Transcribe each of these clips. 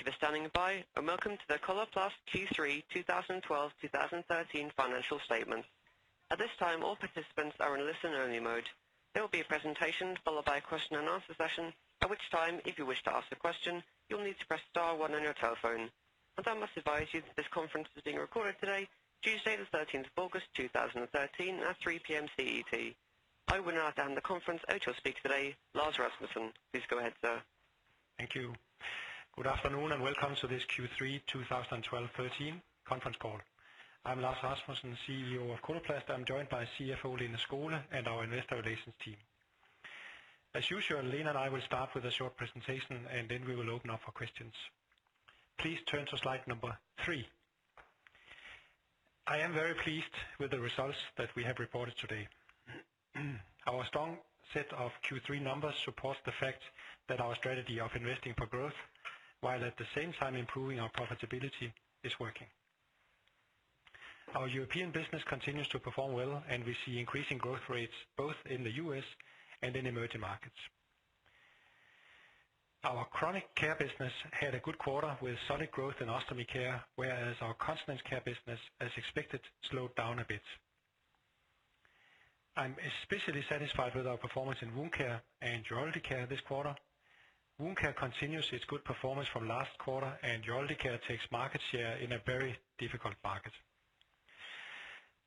Thank you for standing by and welcome to the Coloplast Q3 2012/2013 financial statements. At this time, all participants are in listen-only mode. There will be a presentation followed by a question-and-answer session, at which time, if you wish to ask a question, you'll need to press star one on your telephone. I must advise you that this conference is being recorded today, Tuesday the 13th of August 2013 at 3:00 P.M. CET. I would now hand the conference over to our speaker today, Lars Rasmussen. Please go ahead, sir. Thank you. Good afternoon, and welcome to this Q3 2012/2013 conference call. I'm Lars Rasmussen, CEO of Coloplast. I'm joined by CFO Lene Skole and our investor relations team. As usual, Lene and I will start with a short presentation, and then we will open up for questions. Please turn to slide number three. I am very pleased with the results that we have reported today. Our strong set of Q3 numbers supports the fact that our strategy of investing for growth, while at the same time improving our profitability, is working. Our European business continues to perform well, and we see increasing growth rates both in the U.S. and in emerging markets. Our chronic care business had a good quarter with solid growth in Ostomy Care, whereas our Continence Care business, as expected, slowed down a bit. I'm especially satisfied with our performance in Wound Care and Urology Care this quarter. Wound Care continues its good performance from last quarter, and Urology Care takes market share in a very difficult market.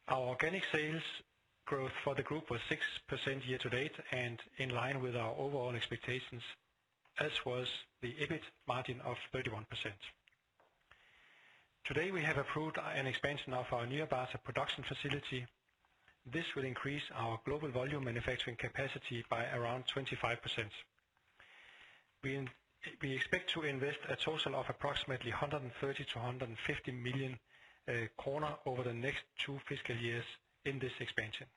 Our organic sales growth for the group was 6% year to date and in line with our overall expectations, as was the EBIT margin of 31%. Today, we have approved an expansion of our Nyírbátor production facility. This will increase our global volume manufacturing capacity by around 25%. We expect to invest a total of approximately 130 million-150 million kroner over the next two fiscal years in this expansion.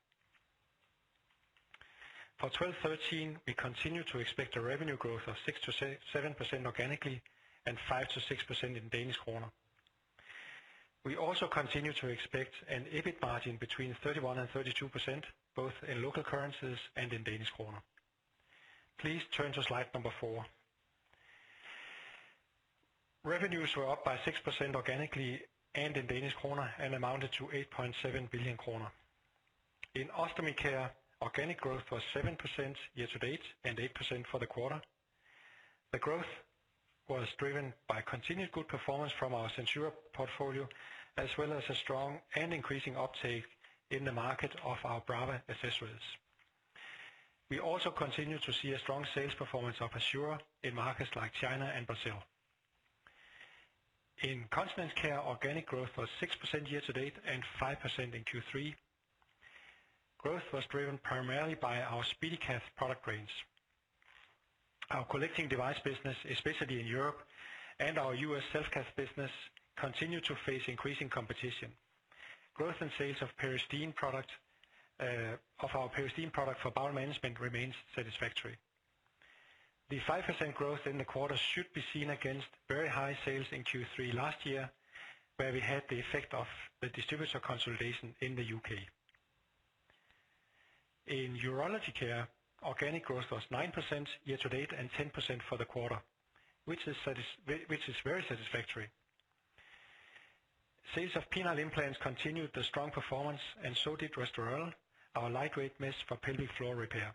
For 2013, we continue to expect a revenue growth of 6%-7% organically and 5%-6% in DKK. We also continue to expect an EBIT margin between 31% and 32%, both in local currencies and in DKK. Please turn to slide number four. Revenues were up by 6% organically and in Danish kroner and amounted to 8.7 billion kroner. In Ostomy Care, organic growth was 7% year-to-date and 8% for the quarter. The growth was driven by continued good performance from our SenSura portfolio, as well as a strong and increasing uptake in the market of our Brava accessories. We also continue to see a strong sales performance of Assura in markets like China and Brazil. In Continence Care, organic growth was 6% year-to-date and 5% in Q3. Growth was driven primarily by our SpeediCath product range. Our collecting device business, especially in Europe and our U.S. self-care business, continue to face increasing competition. Growth in sales of our Peristeen product for bowel management remains satisfactory. The 5% growth in the quarter should be seen against very high sales in Q3 last year, where we had the effect of the distributor consolidation in the U.K. In Urology Care, organic growth was 9% year to date and 10% for the quarter, which is very satisfactory. Sales of penile implants continued the strong performance and so did Restorelle, our lightweight mesh for pelvic floor repair.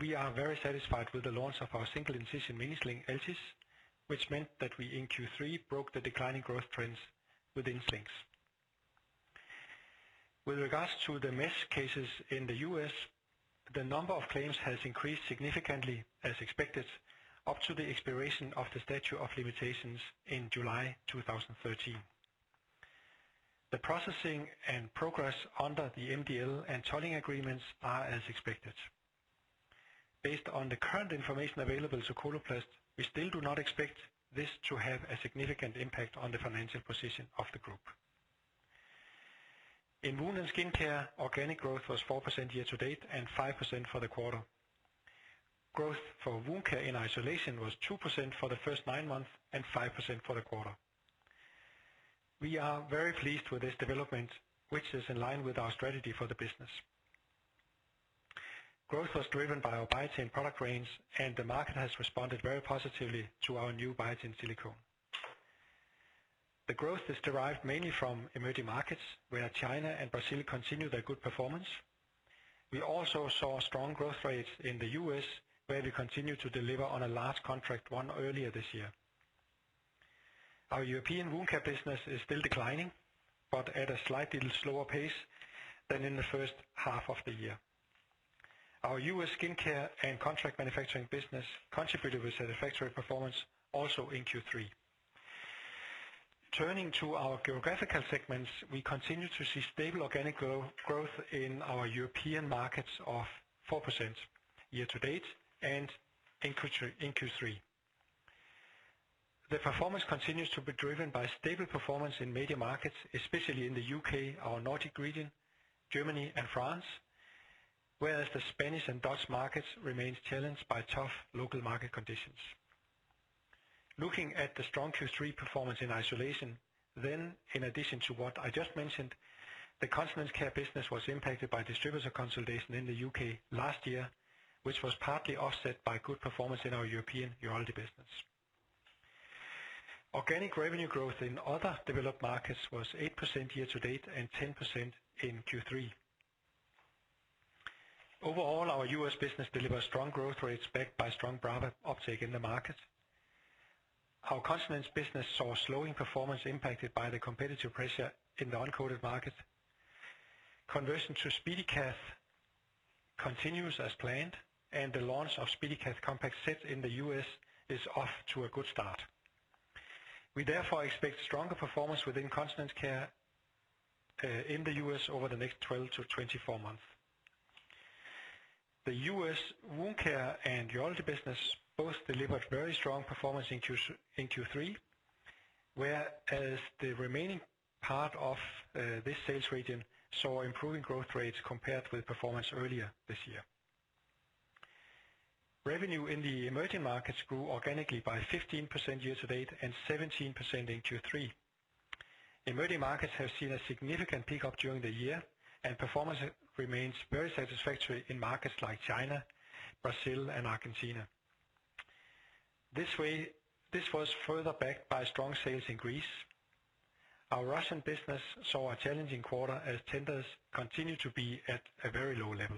We are very satisfied with the launch of our single-incision mini sling, Altis, which meant that we in Q3 broke the declining growth trends within slings. With regards to the mesh cases in the U.S., the number of claims has increased significantly as expected up to the expiration of the statute of limitations in July 2013. The processing and progress under the MDL and tolling agreements are as expected. Based on the current information available to Coloplast, we still do not expect this to have a significant impact on the financial position of the group. In Wound & Skin Care, organic growth was 4% year to date and 5% for the quarter. Growth for Wound Care in isolation was 2% for the first nine months and 5% for the quarter. We are very pleased with this development, which is in line with our strategy for the business. Growth was driven by our Biatain product range, and the market has responded very positively to our new Biatain Silicone. The growth is derived mainly from emerging markets, where China and Brazil continue their good performance. We also saw strong growth rates in the U.S., where we continue to deliver on a large contract won earlier this year. Our European Wound Care business is still declining, but at a slightly slower pace than in the first half of the year. Our U.S. skincare and contract manufacturing business contributed with satisfactory performance also in Q3. Turning to our geographical segments, we continue to see stable organic growth in our European markets of 4% year to date and in Q3. The performance continues to be driven by stable performance in major markets, especially in the U.K., our Nordic region, Germany, and France, whereas the Spanish and Dutch markets remain challenged by tough local market conditions. Looking at the strong Q3 performance in isolation, then in addition to what I just mentioned, the Continence Care business was impacted by distributor consolidation in the U.K. last year, which was partly offset by good performance in our European Urology Care business. Organic revenue growth in other developed markets was 8% year to date and 10% in Q3. Overall, our U.S. business delivered strong growth rates backed by strong product uptake in the market. Our Continence Care business saw a slowing performance impacted by the competitive pressure in the uncoated market. Conversion to SpeediCath continues as planned, and the launch of SpeediCath Compact Set in the U.S. is off to a good start. We therefore expect stronger performance within Continence Care in the U.S. over the next 12 to 24 months. The U.S. Wound Care and Urology Care business both delivered very strong performance in Q3, whereas the remaining part of this sales region saw improving growth rates compared with performance earlier this year. Revenue in the Emerging Markets grew organically by 15% year to date and 17% in Q3. Emerging Markets have seen a significant pickup during the year, performance remains very satisfactory in markets like China, Brazil, and Argentina. This was further backed by strong sales in Greece. Our Russian business saw a challenging quarter as tenders continue to be at a very low level.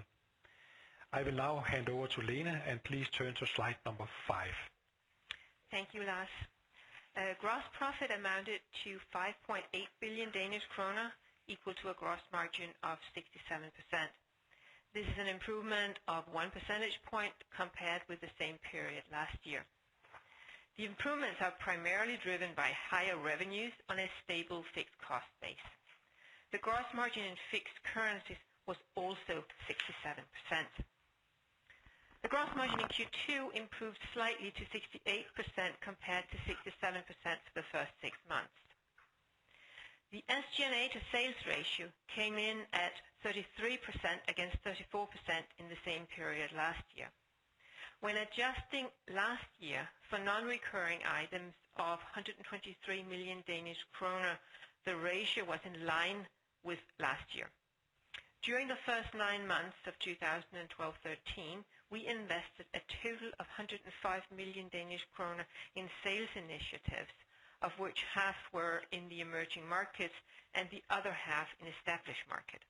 I will now hand over to Lene, and please turn to slide number five. Thank you, Lars. Gross profit amounted to 5.8 billion Danish kroner, equal to a gross margin of 67%. This is an improvement of one percentage point compared with the same period last year. The improvements are primarily driven by higher revenues on a stable fixed cost base. The gross margin in fixed currencies was also 67%. The gross margin in Q2 improved slightly to 68% compared to 67% for the first six months. The SGA to sales ratio came in at 33% against 34% in the same period last year. When adjusting last year for non-recurring items of 123 million Danish kroner, the ratio was in line with last year. During the first nine months of 2012/13, we invested a total of 105 million Danish kroner in sales initiatives, of which half were in the emerging markets and the other half in established market.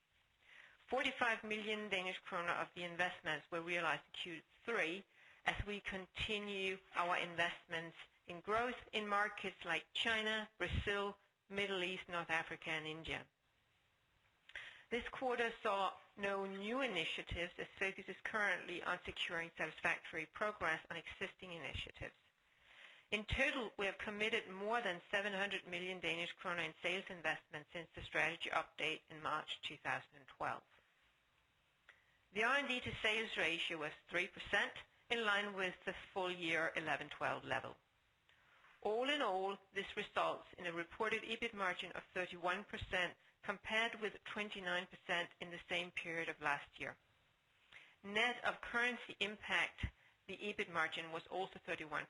45 million Danish krone of the investments were realized in Q3 as we continue our investments in growth in markets like China, Brazil, Middle East, North Africa, and India. This quarter saw no new initiatives as focus is currently on securing satisfactory progress on existing initiatives. In total, we have committed more than 700 million Danish kroner in sales investments since the strategy update in March 2012. The R&D to sales ratio was 3%, in line with the full-year 2011/2012 level. All in all, this results in a reported EBIT margin of 31% compared with 29% in the same period of last year. Net of currency impact, the EBIT margin was also 31%.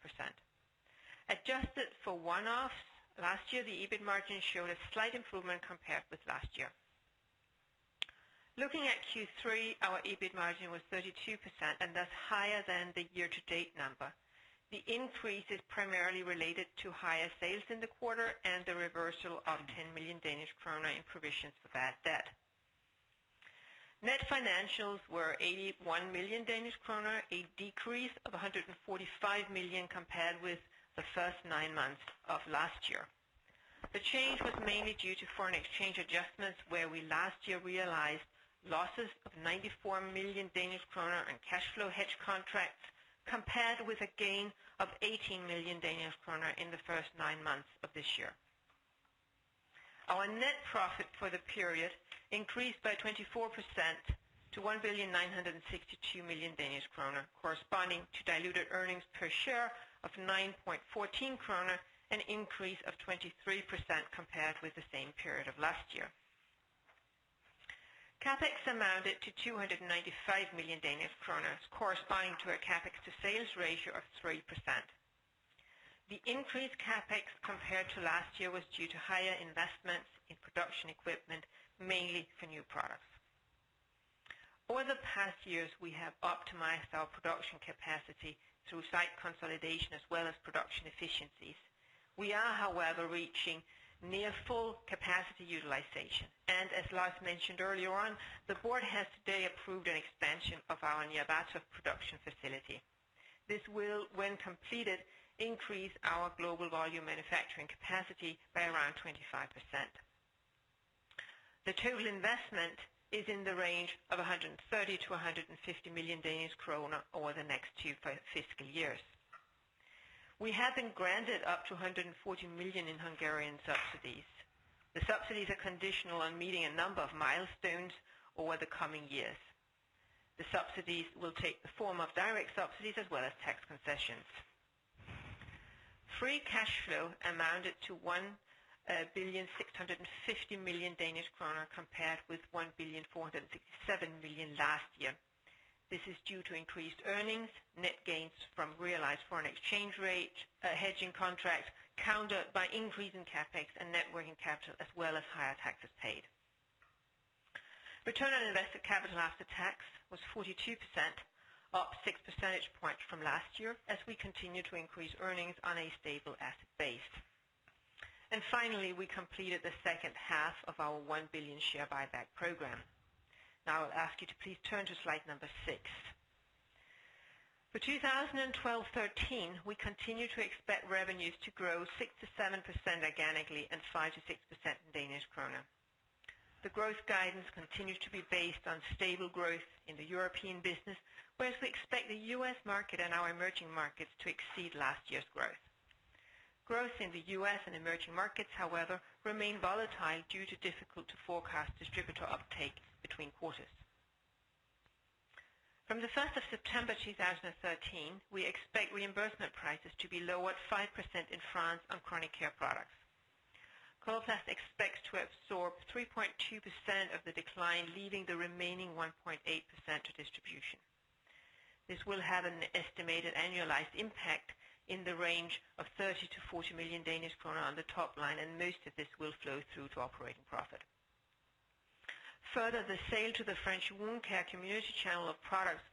Adjusted for one-offs last year, the EBIT margin showed a slight improvement compared with last year. Looking at Q3, our EBIT margin was 32% and thus higher than the year to date number. The increase is primarily related to higher sales in the quarter and the reversal of 10 million Danish krone in provisions for bad debt. Net financials were 81 million Danish krone, a decrease of 145 million compared with the first nine months of last year. The change was mainly due to foreign exchange adjustments, where we last year realized losses of 94 million Danish kroner in cash flow hedge contracts, compared with a gain of 18 million Danish kroner in the first nine months of this year. Our net profit for the period increased by 24% to 1,962,000,000 Danish kroner, corresponding to diluted earnings per share of 9.14 kroner, an increase of 23% compared with the same period of last year. CapEx amounted to 295 million Danish kroner, corresponding to a CapEx to sales ratio of 3%. The increased CapEx compared to last year was due to higher investments in production equipment, mainly for new products. Over the past years, we have optimized our production capacity through site consolidation as well as production efficiencies. We are, however, reaching near full capacity utilization. As Lars mentioned earlier on, the board has today approved an expansion of our Nyírbátor production facility. This will, when completed, increase our global volume manufacturing capacity by around 25%. The total investment is in the range of 130 million-150 million Danish kroner over the next two fiscal years. We have been granted up to 140 million in Hungarian subsidies. The subsidies are conditional on meeting a number of milestones over the coming years. The subsidies will take the form of direct subsidies as well as tax concessions. Free cash flow amounted to 1.65 billion compared with 1.407 billion last year. This is due to increased earnings, net gains from realized foreign exchange rate hedging contracts, countered by increase in CapEx and net working capital, as well as higher taxes paid. Return on invested capital after tax was 42%, up six percentage points from last year as we continue to increase earnings on a stable asset base. Finally, we completed the second half of our 1 billion share buyback program. Now I'll ask you to please turn to slide number six. For 2012-2013, we continue to expect revenues to grow 6%-7% organically and 5%-6% in DKK. The growth guidance continues to be based on stable growth in the European business, whereas we expect the U.S. market and our emerging markets to exceed last year's growth. Growth in the U.S. and emerging markets, however, remain volatile due to difficult-to-forecast distributor uptake between quarters. From the 1st of September 2013, we expect reimbursement prices to be lowered 5% in France on chronic care products. Coloplast expects to absorb 3.2% of the decline, leaving the remaining 1.8% to distribution. This will have an estimated annualized impact in the range of 30 million-40 million Danish kroner on the top line, and most of this will flow through to operating profit. Further, the sale to the French Wound Care community channel of products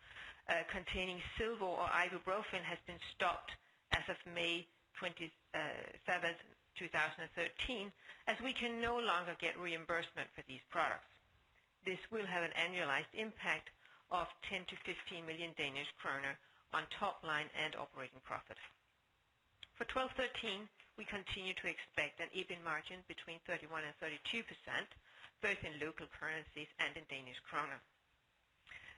containing silver or ibuprofen has been stopped as of May 27th, 2013, as we can no longer get reimbursement for these products. This will have an annualized impact of 10 million-15 million Danish kroner on top line and operating profit. For 2012-2013, we continue to expect an EBIT margin between 31% and 32%, both in local currencies and in DKK.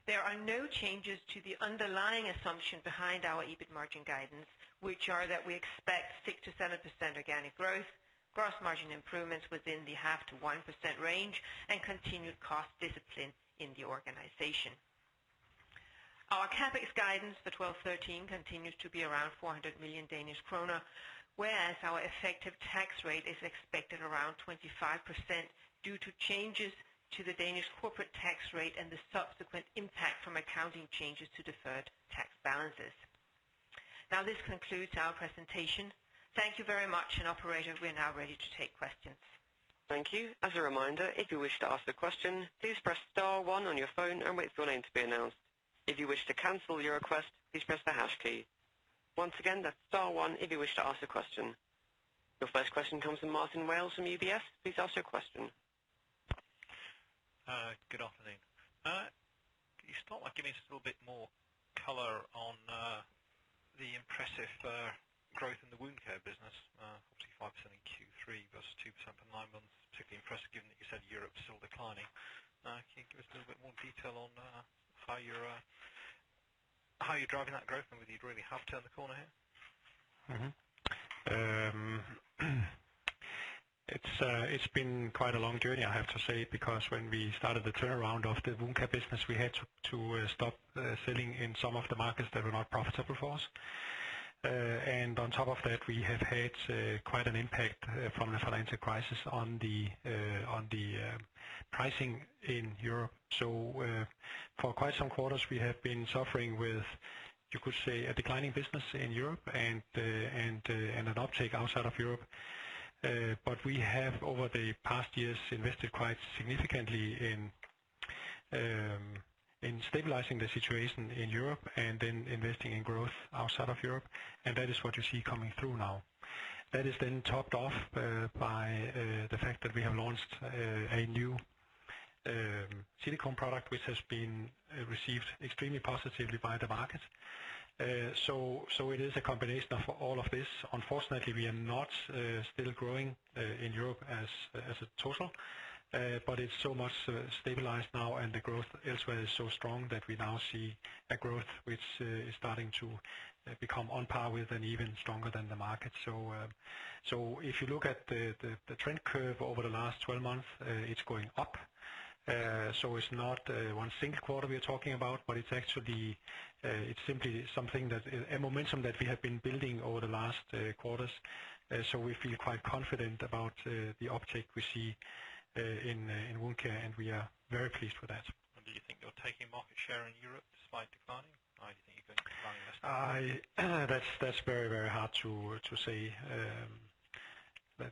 There are no changes to the underlying assumption behind our EBIT margin guidance, which are that we expect 6%-7% organic growth, gross margin improvements within the 0.5%-1% range, and continued cost discipline in the organization. Our CapEx guidance for 2012-2013 continues to be around 400 million Danish kroner, whereas our effective tax rate is expected around 25% due to changes to the Danish corporate tax rate and the subsequent impact from accounting changes to deferred tax balances. Now, this concludes our presentation. Thank you very much. Operator, we are now ready to take questions. Thank you. Your first question comes from Martin Wales from UBS. Please ask your question. Good afternoon. Can you start by giving us a little bit more color on the impressive growth in the Wound Care business? 5% in Q3 versus 2% for nine months. Particularly impressive given that you said Europe is still declining. Can you give us a little bit more detail on how you're driving that growth and whether you really have turned the corner here? It's been quite a long journey, I have to say, because when we started the turnaround of the Wound Care business, we had to stop selling in some of the markets that were not profitable for us. On top of that, we have had quite an impact from the financial crisis on the pricing in Europe. For quite some quarters, we have been suffering with, you could say, a declining business in Europe and an uptake outside of Europe. We have, over the past years, invested quite significantly in stabilizing the situation in Europe and then investing in growth outside of Europe, and that is what you see coming through now. Topped off by the fact that we have launched a new silicone product, which has been received extremely positively by the market. It is a combination of all of this. Unfortunately, we are not still growing in Europe as a total. It's so much stabilized now, and the growth elsewhere is so strong that we now see a growth which is starting to become on par with and even stronger than the market. If you look at the trend curve over the last 12 months, it's going up. It's not one single quarter we are talking about, but it's actually, a momentum that we have been building over the last quarters. We feel quite confident about the uptake we see in Wound Care, and we are very pleased with that. Do you think you're taking market share in Europe despite declining? Or do you think you're going to decline less than the market? That's very, very hard to say.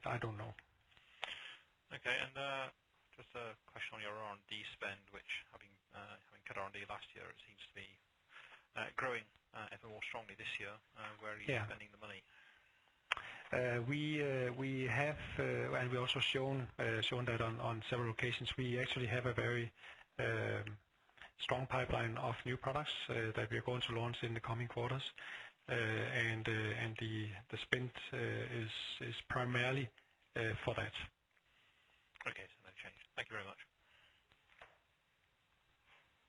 I don't know. Okay. Just a question on your R&D spend, which having cut R&D last year, it seems to be growing ever more strongly this year. Where are you spending the money? We have, and we also shown that on several occasions. We actually have a very strong pipeline of new products that we are going to launch in the coming quarters. The spend is primarily for that. Okay. No change. Thank you very much.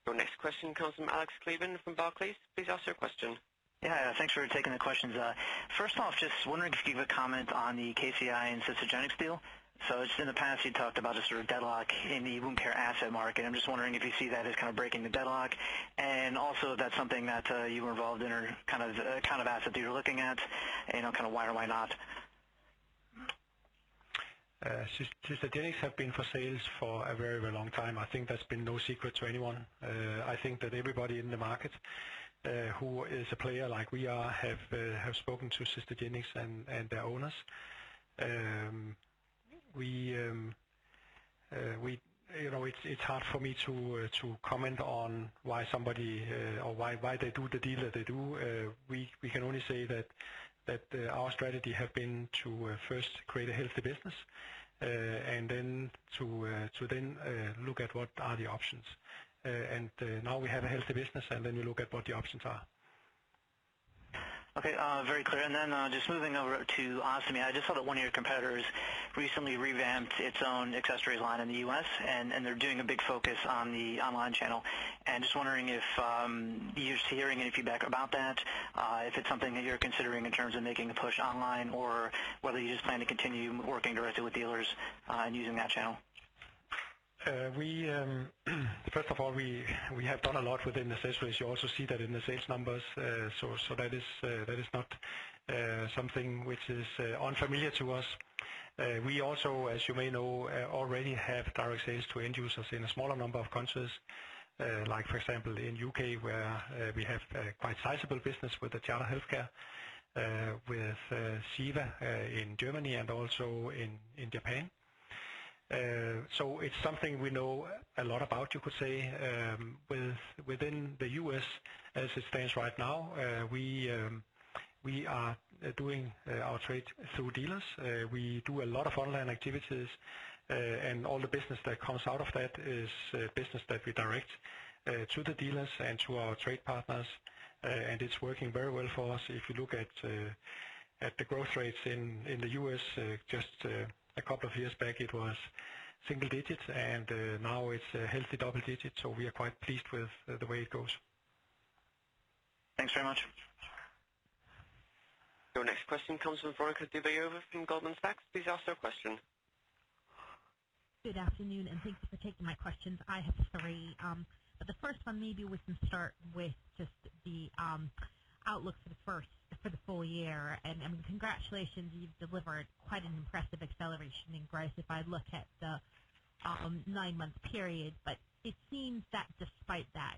Your next question comes from Alex Kleban from Barclays. Please ask your question. Yeah. Thanks for taking the questions. First off, just wondering if you could give a comment on the KCI and Systagenix deal. Just in the past, you talked about a sort of deadlock in the Wound Care asset market. I'm just wondering if you see that as kind of breaking the deadlock, and also if that's something that you were involved in or the kind of asset that you're looking at, and kind of why or why not? Systagenix have been for sales for a very, very long time. I think that's been no secret to anyone. I think that everybody in the market who is a player like we are have spoken to Systagenix and their owners. It's hard for me to comment on why somebody or why they do the deal that they do. We can only say that our strategy has been to first create a healthy business, to then look at what are the options. Now we have a healthy business, then we look at what the options are. Okay. Very clear. Then just moving over to Ostomy. I just saw that one of your competitors recently revamped its own accessories line in the U.S., and they're doing a big focus on the online channel. Just wondering if you're hearing any feedback about that, if it's something that you're considering in terms of making a push online, or whether you just plan to continue working directly with dealers and using that channel? First of all, we have done a lot within accessories. You also see that in the sales numbers. That is not something which is unfamiliar to us. We also, as you may know, already have direct sales to end users in a smaller number of countries. Like for example, in the U.K., where we have quite sizable business with the Charter healthcare, with SIEWA in Germany and also in Japan. It's something we know a lot about, you could say. Within the U.S., as it stands right now, we are doing our trade through dealers. We do a lot of online activities, and all the business that comes out of that is business that we direct to the dealers and to our trade partners. It's working very well for us. If you look at the growth rates in the U.S., just a couple of years back, it was single digits, and now it's a healthy double digit. We are quite pleased with the way it goes. Thanks very much. Your next question comes from Veronika Dubajova from Goldman Sachs. Please ask your question. Good afternoon. Thank you for taking my questions. I have three. The first one, maybe we can start with just the outlook for the full-year. Congratulations, you've delivered quite an impressive acceleration in growth if I look at the nine-month period. It seems that despite that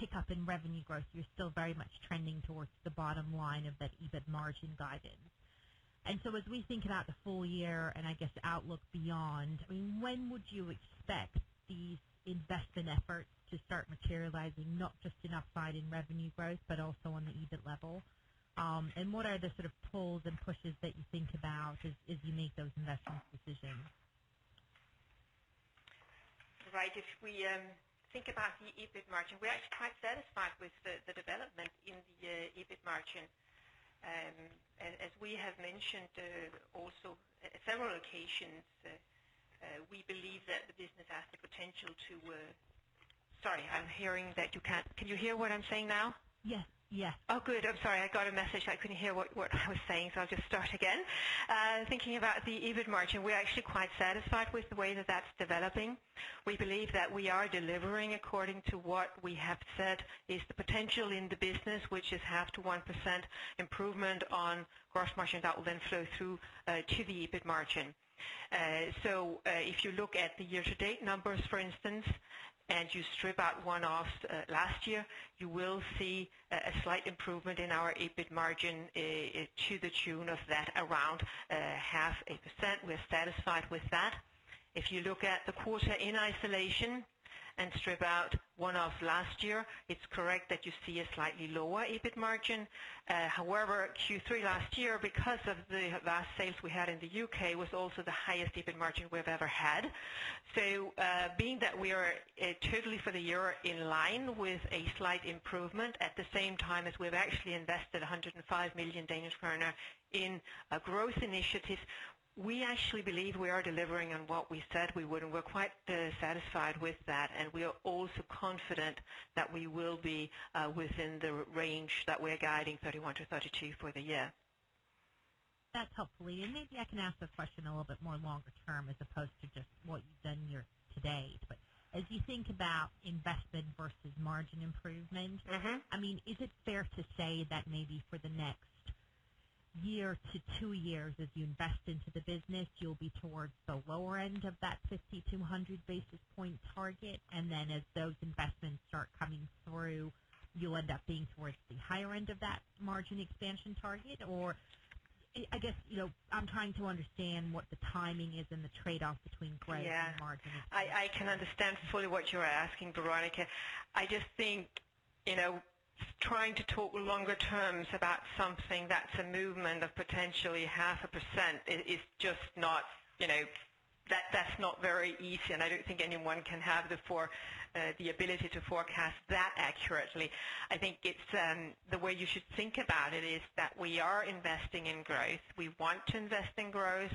pickup in revenue growth, you're still very much trending towards the bottom line of that EBIT margin guidance. As we think about the full-year and I guess the outlook beyond, when would you expect these investment efforts to start materializing, not just in upside in revenue growth, but also on the EBIT level? What are the sort of pulls and pushes that you think about as you make those investment decisions? Right. If we think about the EBIT margin, we're actually quite satisfied with the development in the EBIT margin. As we have mentioned also several occasions, we believe that the business has the potential to Sorry, I'm hearing that you can't. Can you hear what I'm saying now? Yes. Oh, good. I'm sorry. I got a message. I couldn't hear what I was saying. I'll just start again. Thinking about the EBIT margin, we're actually quite satisfied with the way that that's developing. We believe that we are delivering according to what we have said is the potential in the business, which is 0.5%-1% improvement on gross margin. That will flow through to the EBIT margin. If you look at the year-to-date numbers, for instance, and you strip out one-offs last year, you will see a slight improvement in our EBIT margin to the tune of that around 0.5%. We're satisfied with that. If you look at the quarter in isolation and strip out one-off last year, it's correct that you see a slightly lower EBIT margin. Q3 last year, because of the last sales we had in the U.K., was also the highest EBIT margin we've ever had. Being that we are totally for the year in line with a slight improvement at the same time as we've actually invested 105 million Danish kroner in growth initiatives, we actually believe we are delivering on what we said we would, and we're quite satisfied with that, and we are also confident that we will be within the range that we're guiding 31%-32% for the year. That's helpful. Maybe I can ask the question a little bit more longer term as opposed to just what you've done year to date. As you think about investment versus margin improvement, is it fair to say that maybe for the next year to two years, as you invest into the business, you'll be towards the lower end of that 50-100 basis points target, and then as those investments start coming through, you'll end up being towards the higher end of that margin expansion target? I guess I'm trying to understand what the timing is and the trade-off between growth and margin. Yeah. I can understand fully what you're asking, Veronika. I just think trying to talk longer terms about something that's a movement of potentially 0.5% is just not very easy, and I don't think anyone can have the ability to forecast that accurately. I think the way you should think about it is that we are investing in growth. We want to invest in growth.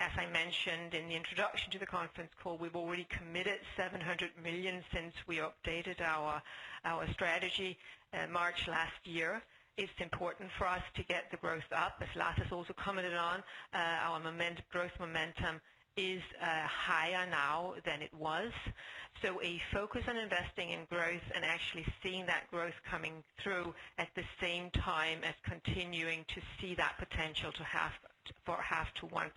As I mentioned in the introduction to the conference call, we've already committed 700 million since we updated our strategy March last year. It's important for us to get the growth up. As Lars has also commented on, our growth momentum is higher now than it was. A focus on investing in growth and actually seeing that growth coming through at the same time as continuing to see that potential for 0.5%-1%,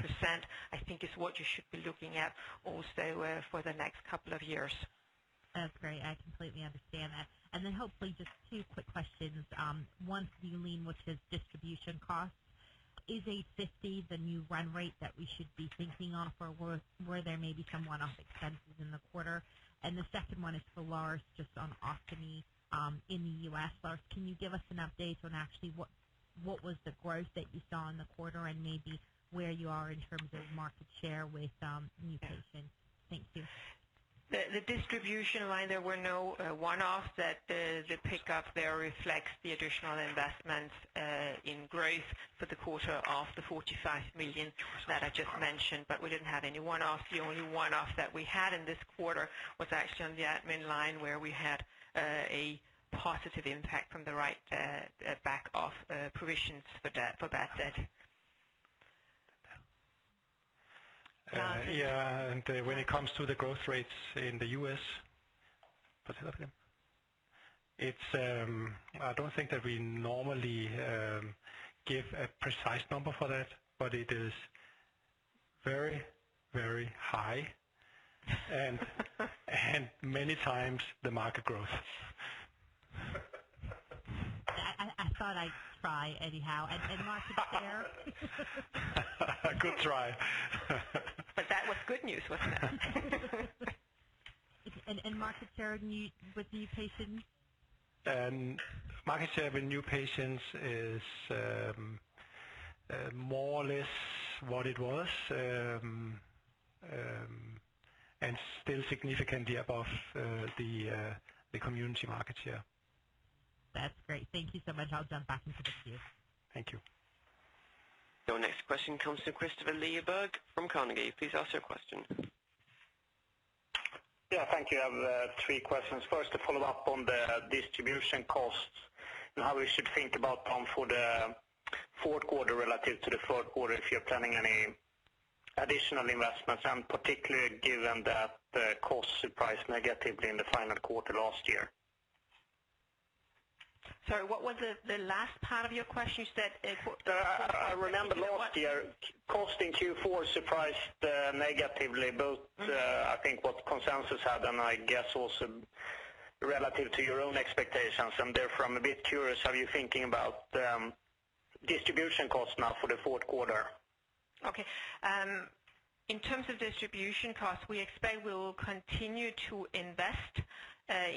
I think is what you should be looking at also for the next couple of years. That's great. I completely understand that. Hopefully just two quick questions. One for Lene, which is distribution costs. Is 850 the new run rate that we should be thinking of, or were there maybe some one-off expenses in the quarter? The second one is for Lars, just on ostomy in the U.S. Lars, can you give us an update on actually what was the growth that you saw in the quarter and maybe where you are in terms of market share with new patients? Thank you. The distribution line, there were no one-offs. The pickup there reflects the additional investments in growth for the quarter of the 45 million that I just mentioned, but we didn't have any one-offs. The only one-off that we had in this quarter was actually on the admin line, where we had a positive impact from the right back of provisions for bad debt. Lars? Yeah, when it comes to the growth rates in the U.S. I don't think that we normally give a precise number for that, but it is very high. Many times the market growth. I thought I'd try anyhow. Market share? Good try. That was good news, wasn't it? Market share with new patients? Market share with new patients is more or less what it was, and still significantly above the community market share. That's great. Thank you so much. I'll jump back into the queue. Thank you. Your next question comes from Kristofer Liljeberg from Carnegie. Please ask your question. Yeah, thank you. I have three questions. First, a follow-up on the distribution costs and how we should think about them for the fourth quarter relative to the third quarter, if you're planning any additional investments, and particularly given that the cost surprised negatively in the final quarter last year. Sorry, what was the last part of your question? You said for- I remember last year, cost in Q4 surprised negatively, both I think what consensus had and I guess also relative to your own expectations. Therefore I'm a bit curious, are you thinking about distribution costs now for the fourth quarter? Okay. In terms of distribution costs, we expect we will continue to invest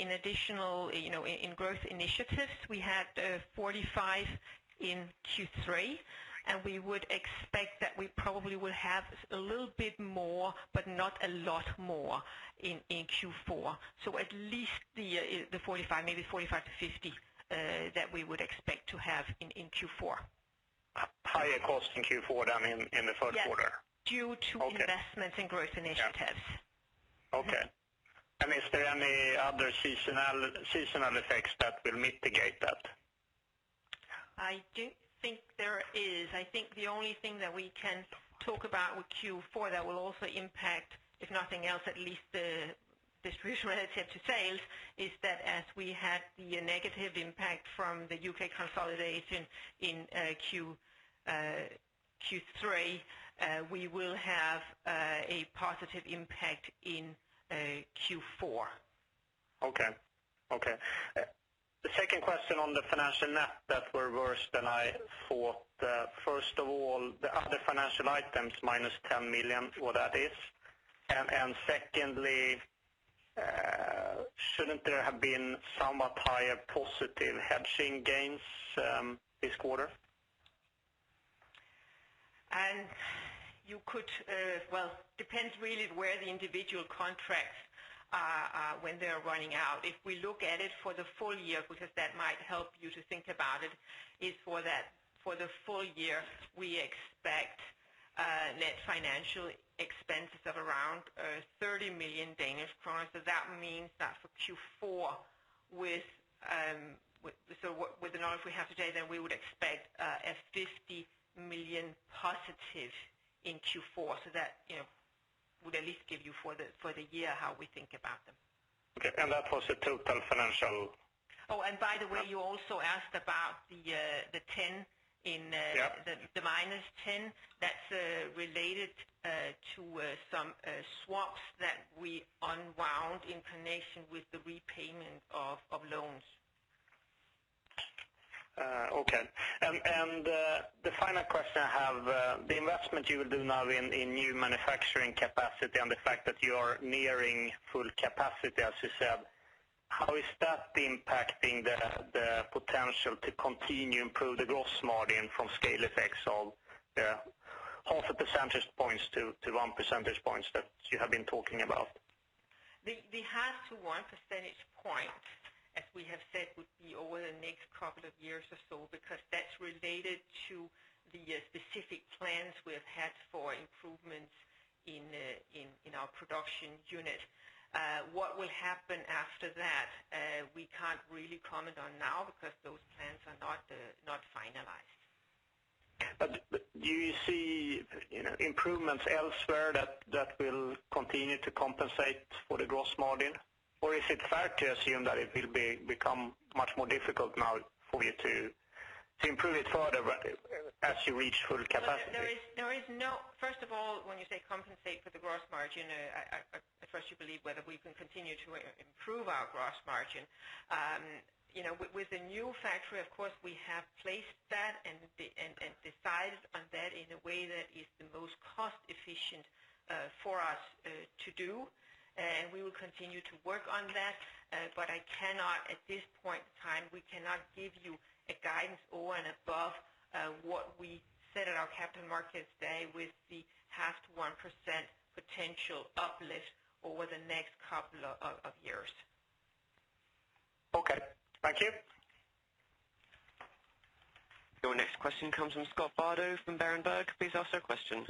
in additional growth initiatives. We had 45 in Q3. We would expect that we probably will have a little bit more, but not a lot more in Q4. At least the 45, maybe 45-50, that we would expect to have in Q4. Higher cost in Q4 than in the third quarter. Yeah. Due to investments in growth initiatives. Okay. Is there any other seasonal effects that will mitigate that? I don't think there is. I think the only thing that we can talk about with Q4 that will also impact, if nothing else, at least the distribution relative to sales, is that as we had the negative impact from the U.K. consolidation in Q3, we will have a positive impact in Q4. Okay. The second question on the financial net that were worse than I thought. First of all, the other financial items, minus 10 million, what that is? Secondly, shouldn't there have been somewhat higher positive hedging gains this quarter? Well, depends really where the individual contracts are when they're running out. If we look at it for the full-year, because that might help you to think about it, is for the full-year, we expect net financial expenses of around 30 million Danish kroner. That means that for Q4, with the knowledge we have today, then we would expect a 50 million positive in Q4. That would at least give you for the year, how we think about them. Okay, that was the total financial. Oh, by the way, you also asked about the -10, that's related to some swaps that we unwound in connection with the repayment of loans. Okay. The final question I have. The investment you will do now in new manufacturing capacity and the fact that you are nearing full capacity, as you said, how is that impacting the potential to continue improve the gross margin from scale effects of half a percentage points to one percentage points that you have been talking about? The half to one percentage point, as we have said, would be over the next couple of years or so, because that's related to the specific plans we've had for improvements in our production unit. What will happen after that, we can't really comment on now because those plans are not finalized. Do you see improvements elsewhere that will continue to compensate for the gross margin? Or is it fair to assume that it will become much more difficult now for you to improve it further as you reach full capacity. First of all, when you say compensate for the gross margin, I trust you believe whether we can continue to improve our gross margin. With the new factory, of course, we have placed that and decided on that in a way that is the most cost efficient for us to do. We will continue to work on that. I cannot, at this point in time, we cannot give you a guidance over and above what we said at our capital markets day with the 0.5%-1% potential uplift over the next couple of years. Okay. Thank you. Your next question comes from Scott Bardo from Berenberg. Please ask your question.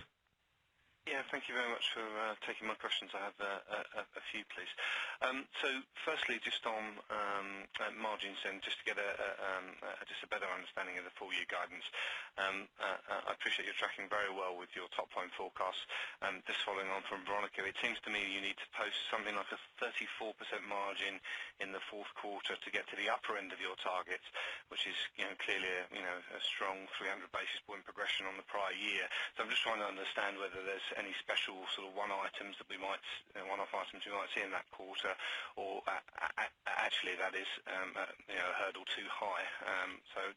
Thank you very much for taking my questions. I have a few, please. Firstly, just on margins then, just to get a better understanding of the full-year guidance. I appreciate you're tracking very well with your top line forecast. Just following on from Veronika, it seems to me you need to post something like a 34% margin in the fourth quarter to get to the upper end of your target, which is clearly a strong 300 basis point progression on the prior year. I'm just trying to understand whether there's any one-off items we might see in that quarter, or actually that is a hurdle too high.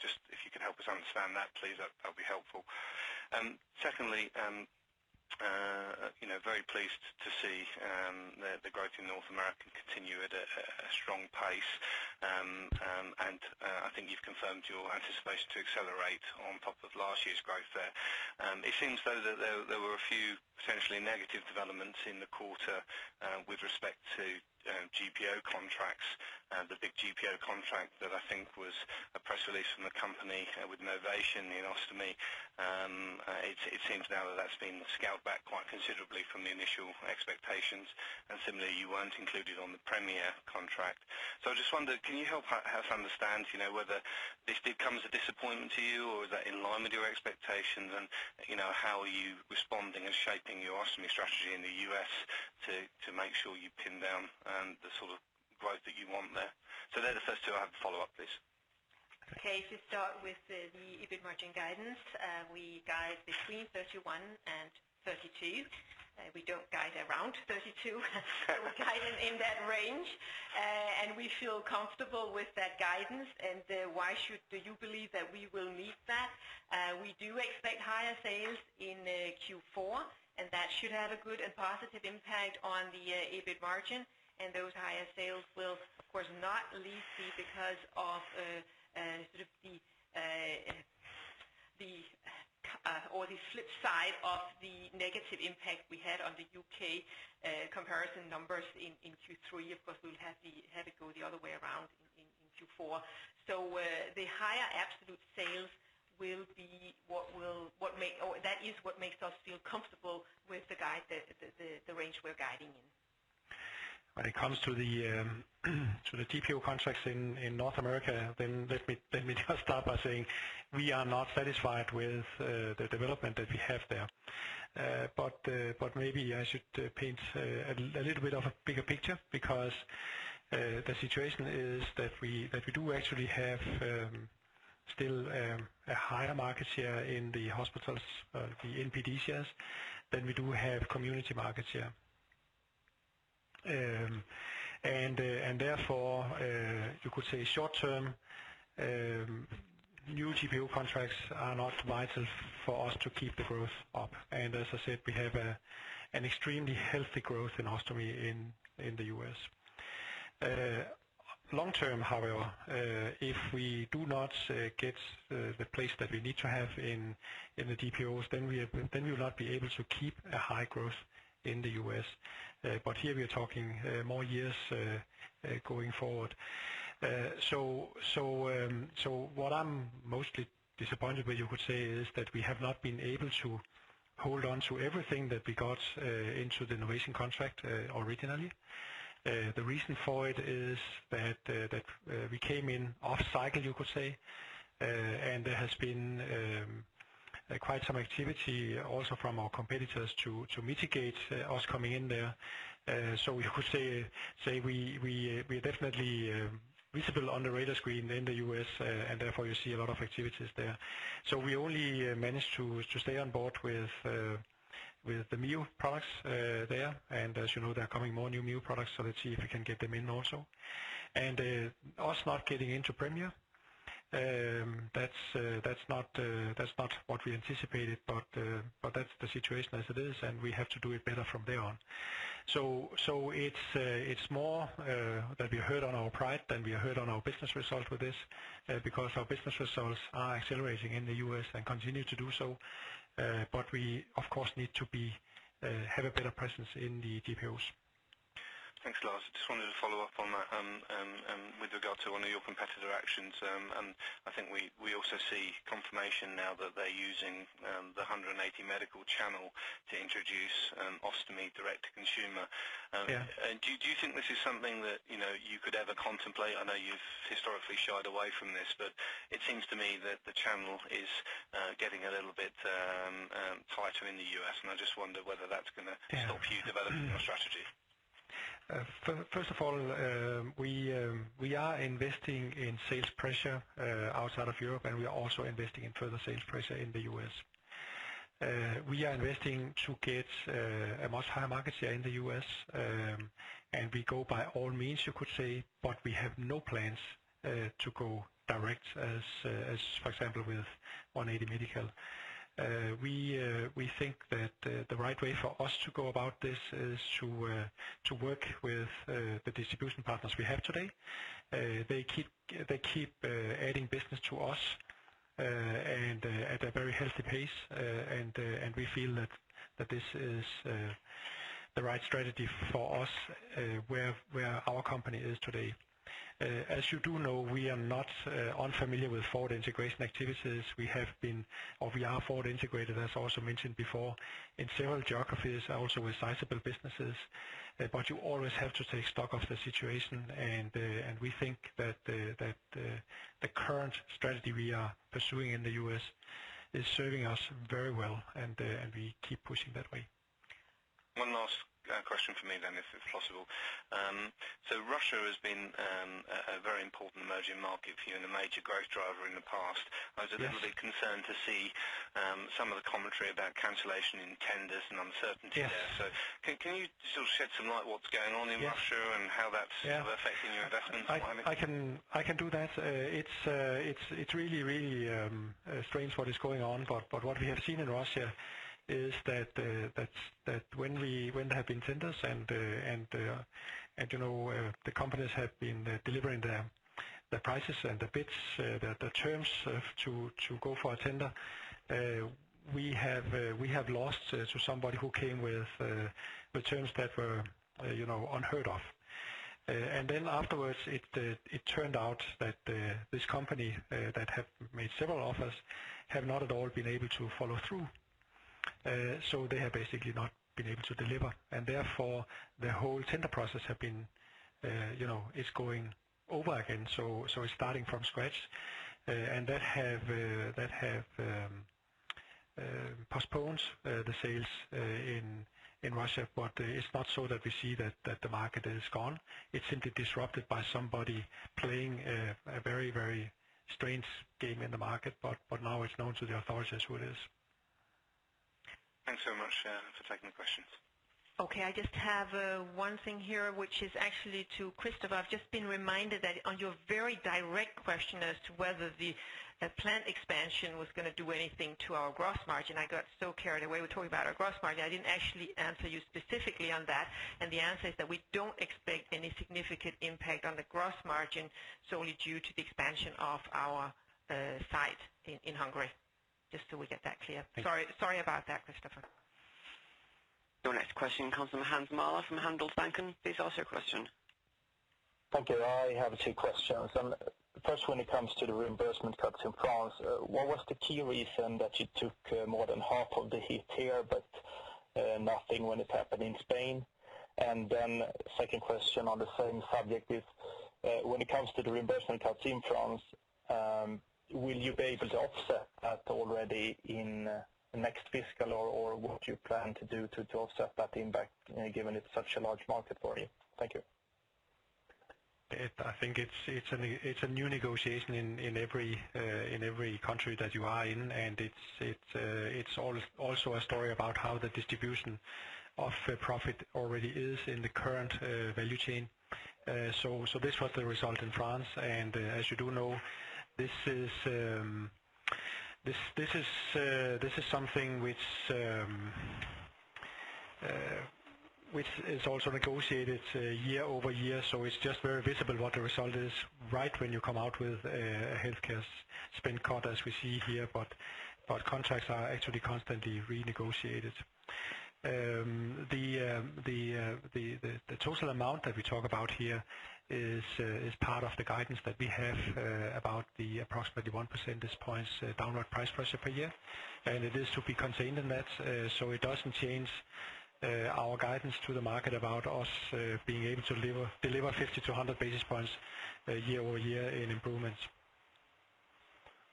Just if you could help us understand that, please, that'd be helpful. Secondly, very pleased to see the growth in North America continue at a strong pace. I think you've confirmed your anticipation to accelerate on top of last year's growth there. It seems though that there were a few essentially negative developments in the quarter with respect to GPO contracts. The big GPO contract that I think was a press release from the company with Novation in Ostomy. It seems now that that's been scaled back quite considerably from the initial expectations, and similarly, you weren't included on the Premier contract. I just wonder, can you help us understand whether this did come as a disappointment to you or is that in line with your expectations? How are you responding and shaping your Ostomy strategy in the U.S. to make sure you pin down the sort of growth that you want there? They're the first two. I have a follow-up, please. Okay, to start with the EBIT margin guidance. We guide between 31 and 32. We don't guide around 32. We're guiding in that range, and we feel comfortable with that guidance. Why should you believe that we will meet that? We do expect higher sales in Q4, and that should have a good and positive impact on the EBIT margin. Those higher sales will, of course, not least be because of the flip side of the negative impact we had on the U.K. comparison numbers in Q3. Of course, we'll have it go the other way around in Q4. The higher absolute sales, that is what makes us feel comfortable with the range we're guiding in. When it comes to the GPO contracts in North America, then let me just start by saying we are not satisfied with the development that we have there. Maybe I should paint a little bit of a bigger picture because the situation is that we do actually have still a higher market share in the hospitals, the NPD shares, than we do have community market share. Therefore, you could say short term, new GPO contracts are not vital for us to keep the growth up. As I said, we have an extremely healthy growth in ostomy in the U.S. Long term, however, if we do not get the place that we need to have in the GPOs, then we will not be able to keep a high growth in the U.S. Here we are talking more years going forward. What I'm mostly disappointed with, you could say, is that we have not been able to hold on to everything that we got into the Novation contract originally. The reason for it is that we came in off cycle, you could say, and there has been quite some activity also from our competitors to mitigate us coming in there. You could say we are definitely visible on the radar screen in the U.S., and therefore you see a lot of activities there. We only managed to stay on board with the new products there. As you know, there are coming more new products. Let's see if we can get them in also. Us not getting into Premier, that's not what we anticipated, but that's the situation as it is, and we have to do it better from there on. It's more that we are hurt on our pride than we are hurt on our business result with this, because our business results are accelerating in the U.S. and continue to do so. We, of course, need to have a better presence in the GPOs. Thanks, Lars. I just wanted to follow up on that. With regard to one of your competitor actions, I think we also see confirmation now that they're using the 180 Medical channel to introduce ostomy direct to consumer. Do you think this is something that you could ever contemplate? I know you've historically shied away from this, but it seems to me that the channel is getting a little in the U.S., and I just wonder whether that's going to help you develop your strategy. First of all, we are investing in sales pressure outside of Europe, and we are also investing in further sales pressure in the U.S. We are investing to get a much higher market share in the U.S., and we go by all means you could say, but we have no plans to go direct as, for example, with 180 Medical. We think that the right way for us to go about this is to work with the distribution partners we have today. They keep adding business to us and at a very healthy pace, and we feel that this is the right strategy for us where our company is today. As you do know, we are not unfamiliar with forward integration activities. We have been, or we are forward integrated, as I also mentioned before, in several geographies, also with sizable businesses. You always have to take stock of the situation, and we think that the current strategy we are pursuing in the U.S. is serving us very well, and we keep pushing that way. One last question from me then, if it's possible. Russia has been a very important emerging market for you and a major growth driver in the past. I was a little bit concerned to see some of the commentary about cancellation in tenders and uncertainty there. Can you sort of shed some light what's going on in Russia and how that's affecting your investments? I can do that. It's really strange what is going on, but what we have seen in Russia is that when there have been tenders and the companies have been delivering the prices and the bids, the terms to go for a tender, we have lost to somebody who came with terms that were unheard of. Afterwards, it turned out that this company that had made several offers have not at all been able to follow through. They have basically not been able to deliver, and therefore the whole tender process is going over again. It's starting from scratch, and that have postponed the sales in Russia. It's not so that we see that the market is gone. It's simply disrupted by somebody playing a very strange game in the market. Now it's known to the authorities who it is. Thanks so much for taking the questions. Okay. I just have one thing here, which is actually to Kristofer. I've just been reminded that on your very direct question as to whether the plant expansion was going to do anything to our gross margin, I got so carried away with talking about our gross margin, I didn't actually answer you specifically on that, and the answer is that we don't expect any significant impact on the gross margin solely due to the expansion of our site in Hungary. Just so we get that clear. Sorry about that, Kristofer. Your next question comes from Hans Mahler from Handelsbanken. Please ask your question. Thank you. I have two questions. First, when it comes to the reimbursement cuts in France, what was the key reason that you took more than half of the hit here, but nothing when it happened in Spain? Second question on the same subject is, when it comes to the reimbursement cuts in France, will you be able to offset that already in the next fiscal, or what do you plan to do to offset that impact, given it's such a large market for you? Thank you. I think it's a new negotiation in every country that you are in, and it's also a story about how the distribution of profit already is in the current value chain. This was the result in France, and as you do know, this is something which is also negotiated year-over-year. It's just very visible what the result is right when you come out with a healthcare spend cut, as we see here, but contracts are actually constantly renegotiated. The total amount that we talk about here is part of the guidance that we have about the approximately one percentage points downward price pressure per year, and it is to be contained in that. It doesn't change our guidance to the market about us being able to deliver 50-100 basis points year-over-year in improvements.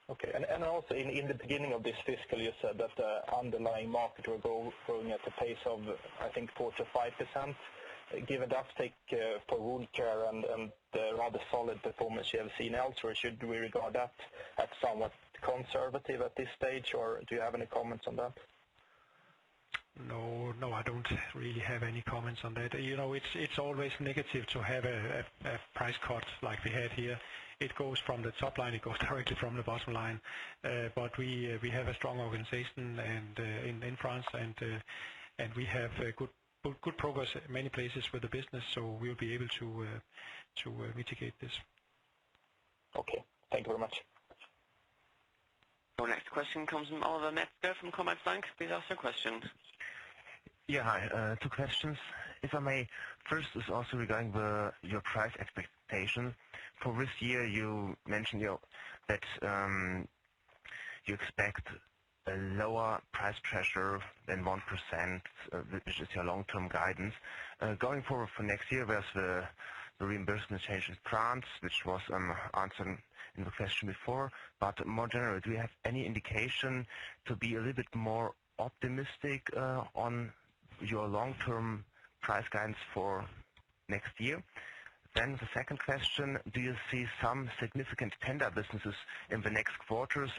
Okay. Also, in the beginning of this fiscal, you said that the underlying market will go growing at a pace of, I think, 4%-5%. Given the uptake for Wound Care and the rather solid performance you have seen elsewhere, should we regard that as somewhat conservative at this stage, or do you have any comments on that? No, I don't really have any comments on that. It's always negative to have a price cut like we had here. It goes from the top line, it goes directly from the bottom line. We have a strong organization in France, and we have good progress in many places with the business, so we'll be able to mitigate this. Okay. Thank you very much. Our next question comes from Oliver Metzger from Commerzbank. Please ask your question. Yeah. Hi. Two questions, if I may. First is also regarding your price expectation. For this year you mentioned that you expect a lower price pressure than 1%, which is your long-term guidance. Going forward for next year, there's the reimbursement change in France, which was answered in the question before. More generally, do you have any indication to be a little bit more optimistic on your long-term price guidance for next year? The second question, do you see some significant tender businesses in the next quarters?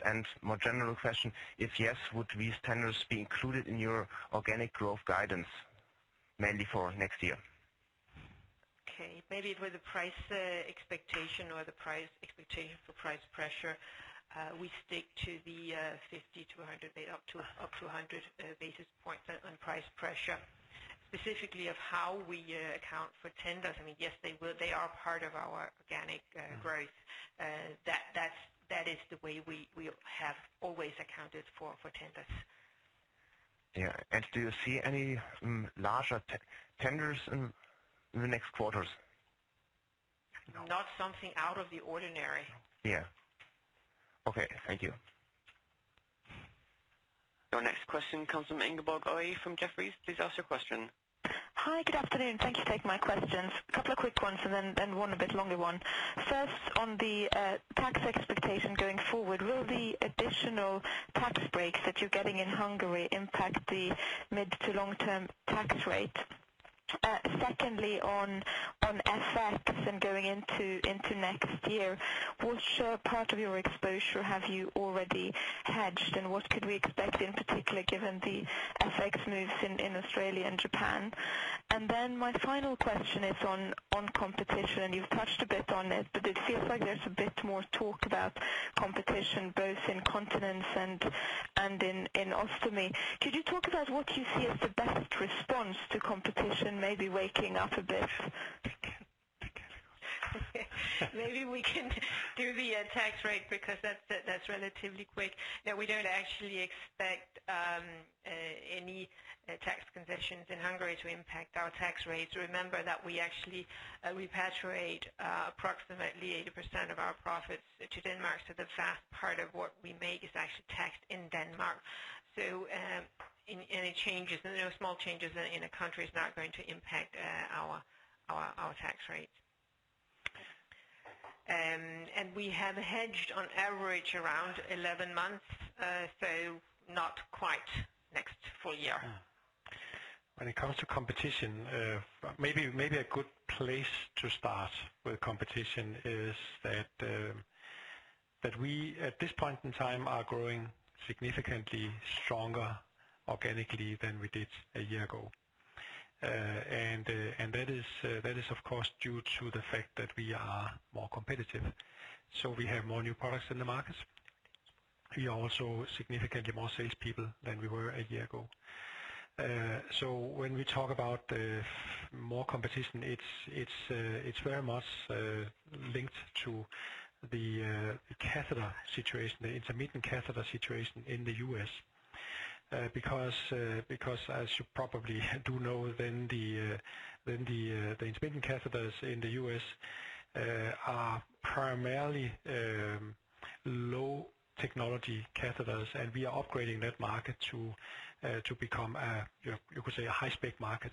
More general question, if yes, would these tenders be included in your organic growth guidance, mainly for next year? Okay. Maybe with the price expectation or the price expectation for price pressure, we stick to the 50-100, up to 100 basis points on price pressure. Specifically of how we account for tenders, I mean, yes, they are part of our organic growth. That is the way we have always accounted for tenders. Yeah. Do you see any larger tenders in the next quarters? Not something out of the ordinary. Yeah. Okay. Thank you. Your next question comes from Ingeborg Øie from Jefferies. Please ask your question. Hi. Good afternoon. Thank you for taking my questions. A couple of quick ones and then one a bit longer one. First, on the tax expectation going forward, will the additional tax breaks that you're getting in Hungary impact the mid to long term tax rate? Secondly, on FX and going into next year, which part of your exposure have you already hedged, and what could we expect in particular given the FX moves in Australia and Japan? My final question is on competition, and you've touched a bit on it, but it feels like there's a bit more talk about competition both in Continence and in Ostomy. Could you talk about what you see as the best response to competition, maybe waking up a bit? Maybe we can do the tax rate because that's relatively quick. We don't actually expect any tax concessions in Hungary to impact our tax rates. Remember that we actually repatriate approximately 80% of our profits to Denmark, the vast part of what we make is actually taxed in Denmark. Any changes, any small changes in a country is not going to impact our tax rate. We have hedged on average around 11 months, not quite next full-year. When it comes to competition, maybe a good place to start with competition is that we, at this point in time, are growing significantly stronger organically than we did a year ago. That is of course due to the fact that we are more competitive. We have more new products in the markets. We are also significantly more salespeople than we were a year ago. When we talk about more competition, it's very much linked to the catheter situation, the intermittent catheter situation in the U.S. As you probably do know, the intermittent catheters in the U.S. are primarily low technology catheters, and we are upgrading that market to become you could say a high spec market.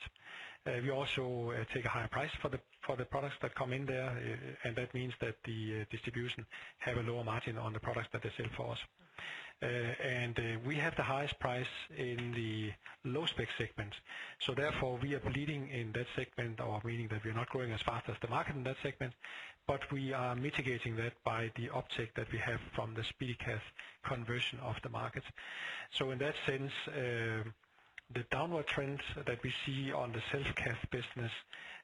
We also take a higher price for the products that come in there. That means that the distribution have a lower margin on the products that they sell for us. We have the highest price in the low spec segment. Therefore, we are bleeding in that segment, or meaning that we're not growing as fast as the market in that segment. We are mitigating that by the uptake that we have from the SpeediCath conversion of the market. In that sense, the downward trend that we see on the Self-Cath business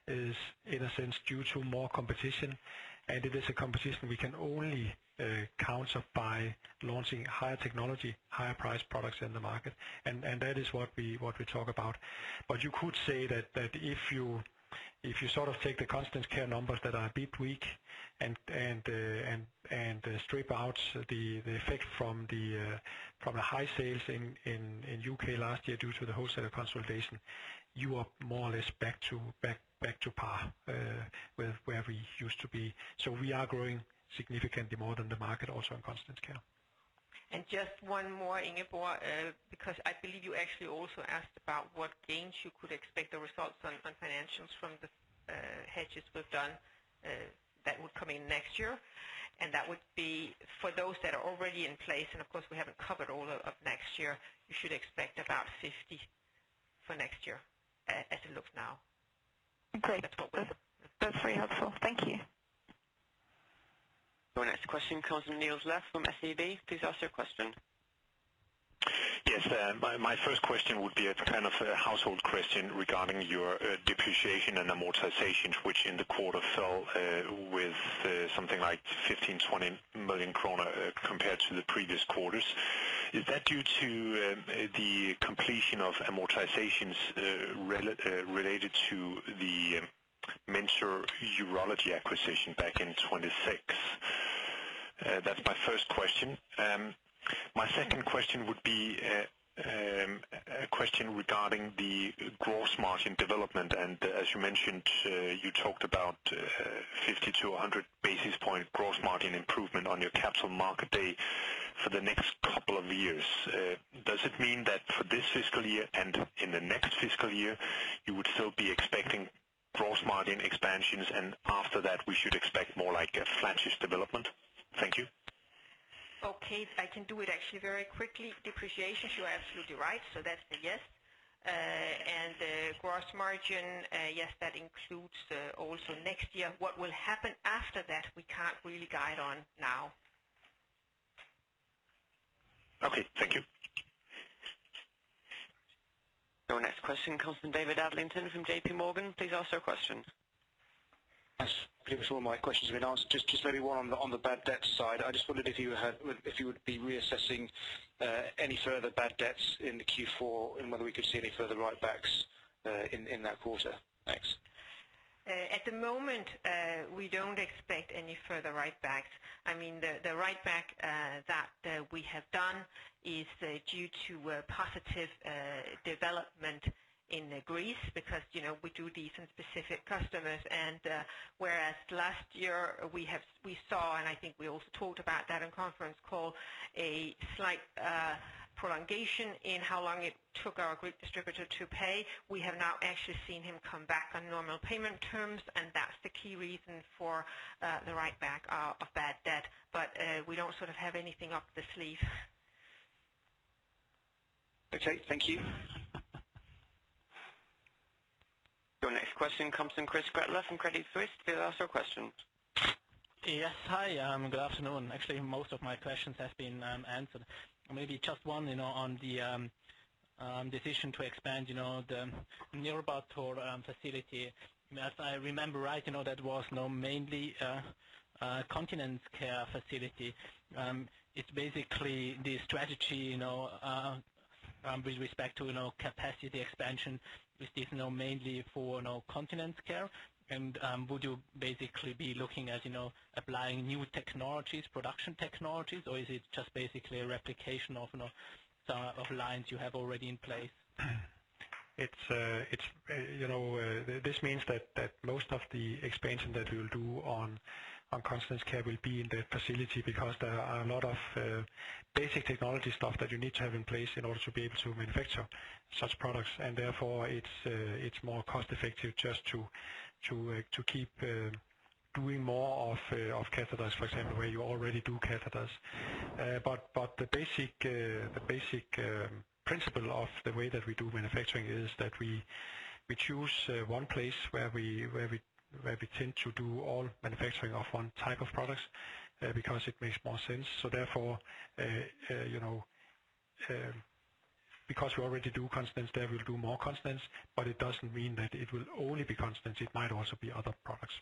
is, in a sense, due to more competition. It is a competition we can only counter by launching higher technology, higher priced products in the market. That is what we talk about. You could say that if you take the Continence Care numbers that are a bit weak and strip out the effect from the high sales in U.K. last year due to the wholesaler consolidation, you are more or less back to par where we used to be. We are growing significantly more than the market also in Continence Care. Just one more, Ingeborg, because I believe you actually also asked about what gains you could expect the results on financials from the hedges we've done that would come in next year. That would be for those that are already in place, and of course we haven't covered all of next year. You should expect about 50 for next year as it looks now. Great. That's very helpful. Thank you. Your next question comes from Niels Leth from SEB. Please ask your question. Yes. My first question would be a kind of household question regarding your depreciation and amortization, which in the quarter fell with something like 15 million, 20 million kroner compared to the previous quarters. Is that due to the completion of amortizations related to the Mentor Urology acquisition back in 2006? That's my first question. My second question would be a question regarding the gross margin development. As you mentioned, you talked about 50-100 basis points gross margin improvement on your capital market day for the next couple of years. Does it mean that for this fiscal year and in the next fiscal year, you would still be expecting gross margin expansions and after that we should expect more like a flattish development? Thank you. Okay. I can do it actually very quickly. Depreciation, you are absolutely right. That's a yes. The gross margin, yes, that includes also next year. What will happen after that, we can't really guide on now. Okay, thank you. Your next question comes from David Adlington from J.P. Morgan. Please ask your question. Yes. Pretty much all my questions have been answered. Just maybe one on the bad debts side. I just wondered if you would be reassessing any further bad debts in the Q4, and whether we could see any further write-backs in that quarter. Thanks. At the moment, we don't expect any further write-backs. The write-back that we have done is due to a positive development in Greece because we do these in specific customers. Whereas last year we saw, and I think we also talked about that in conference call, a slight prolongation in how long it took our Greek distributor to pay. We have now actually seen him come back on normal payment terms, and that's the key reason for the write-back of bad debt. We don't sort of have anything up the sleeve. Okay, thank you. Your next question comes from Christoph Gretler from Credit Suisse. Please ask your question. Yes. Hi, good afternoon. Actually, most of my questions have been answered. Maybe just one on the decision to expand the Nyírbátor facility. If I remember right, that was mainly a Continence Care facility. It's basically the strategy with respect to capacity expansion with this mainly for Continence Care. Would you basically be looking at applying new technologies, production technologies, or is it just basically a replication of lines you have already in place? This means that most of the expansion that we'll do on Continence Care will be in that facility because there are a lot of basic technology stuff that you need to have in place in order to be able to manufacture such products. Therefore, it's more cost effective just to keep doing more of catheters, for example, where you already do catheters. The basic principle of the way that we do manufacturing is that we choose 1 place where we tend to do all manufacturing of 1 type of products because it makes more sense. Therefore, because we already do Continence there, we'll do more Continence, but it doesn't mean that it will only be Continence, it might also be other products.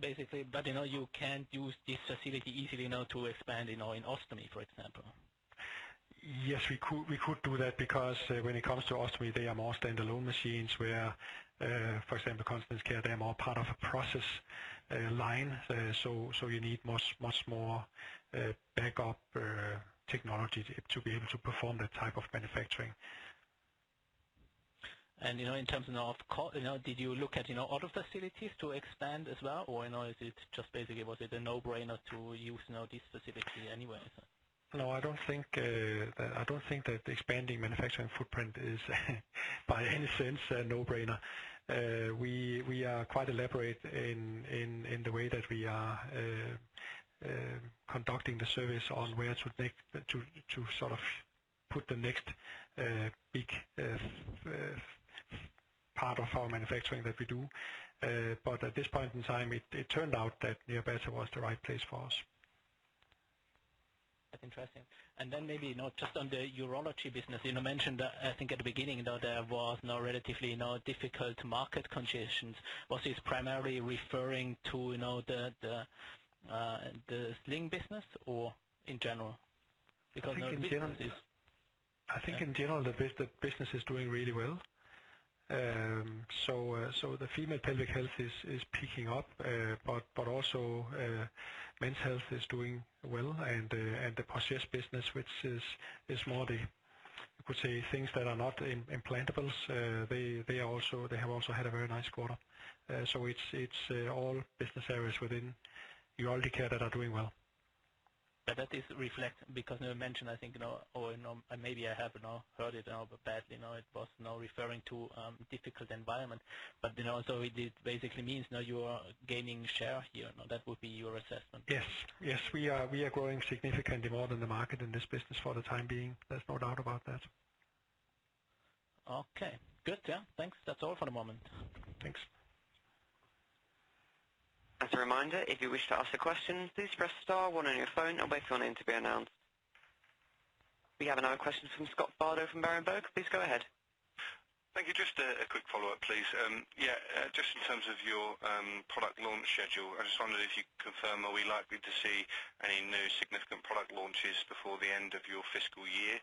Basically, you can use this facility easily now to expand in Ostomy, for example. Yes, we could do that because when it comes to ostomy, they are more standalone machines where, for example, Continence Care, they are more part of a process line. You need much more backup technology to be able to perform that type of manufacturing. In terms of cost, did you look at other facilities to expand as well, or is it just basically was it a no-brainer to use now this specifically anyway? No, I don't think that expanding manufacturing footprint is by any sense a no-brainer. We are quite elaborate in the way that we are conducting the surveys on where to sort of put the next big part of our manufacturing that we do. At this point in time, it turned out that Nyírbátor was the right place for us. That's interesting. Then maybe just on the urology business, you mentioned, I think at the beginning, there was now relatively difficult market conditions. Was this primarily referring to the sling business or in general? I think in general, the business is doing really well. The female pelvic health is peaking up, but also men's health is doing well. The Porgès business, which is more the, you could say, things that are not implantables, they have also had a very nice quarter. It's all business areas within Urology Care that are doing well. That is reflect because you mentioned, I think, or maybe I have now heard it badly now, it was now referring to difficult environment, but also it basically means now you are gaining share here. That would be your assessment. We are growing significantly more than the market in this business for the time being. There's no doubt about that. Okay, good. Yeah. Thanks. That's all for the moment. Thanks. As a reminder, if you wish to ask a question, please press star one on your phone and wait for your name to be announced. We have another question from Scott Bardo from Berenberg. Please go ahead. Thank you. Just a quick follow-up, please. Just in terms of your product launch schedule, I just wondered if you confirm, are we likely to see any new significant product launches before the end of your fiscal year?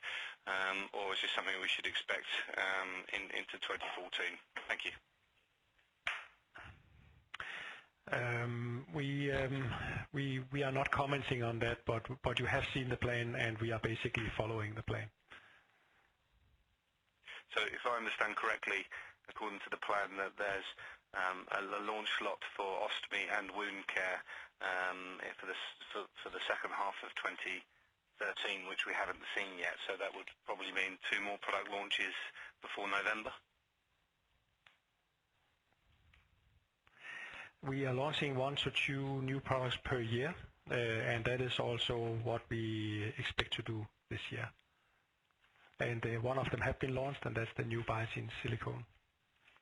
Or is this something we should expect into 2014? Thank you. We are not commenting on that, but you have seen the plan, and we are basically following the plan. If I understand correctly, according to the plan, there's a launch slot for Ostomy and Wound Care, for the second half of 2013, which we haven't seen yet. That would probably mean two more product launches before November? We are launching one to two new products per year, and that is also what we expect to do this year. One of them has been launched, and that's the new Biatain Silicone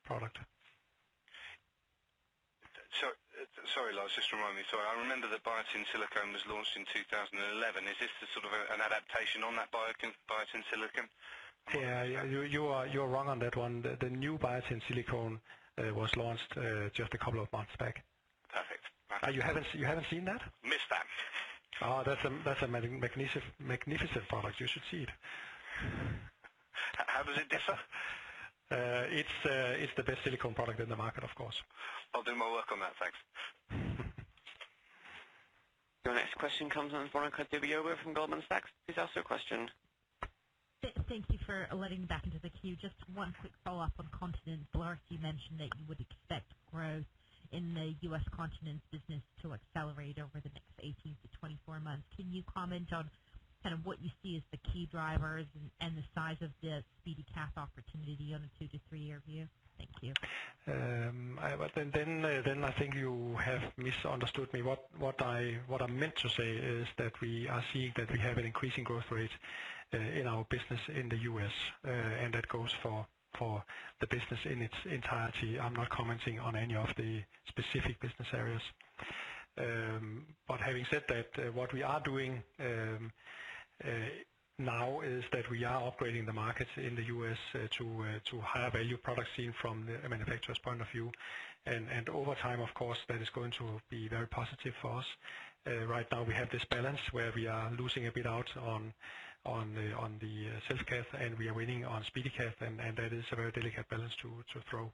product. Sorry, Lars, just remind me. I remember the Biatain Silicone was launched in 2011. Is this a sort of an adaptation on that Biatain Silicone? Yeah. You are wrong on that one. The new Biatain Silicone was launched just a couple of months back. You haven't seen that? Missed that. Oh, that's a magnificent product. You should see it. How does it differ? It's the best silicone product in the market, of course. I'll do my work on that. Thanks. Your next question comes on the phone line from Goldman Sachs. Please ask your question. Thank you for letting me back into the queue. Just one quick follow-up on Continence. Lars, you mentioned that you would expect growth in the U.S. Continence business to accelerate over the next 18-24 months. Can you comment on kind of what you see as the key drivers and the size of the SpeediCath opportunity on a two to three-year view? Thank you. I think you have misunderstood me. What I meant to say is that we are seeing that we have an increasing growth rate in our business in the U.S., and that goes for the business in its entirety. I'm not commenting on any of the specific business areas. Having said that, what we are doing now is that we are upgrading the markets in the U.S. to higher value products seen from a manufacturer's point of view. Over time, of course, that is going to be very positive for us. Right now, we have this balance where we are losing a bit out on the Self-Cath, and we are winning on SpeediCath, and that is a very delicate balance to throw.